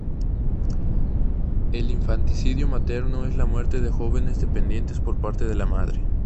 El infanticidio materno es la muerte de jóvenes dependientes por parte de la madre.